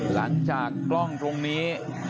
หลังจากกล้องตรงนี้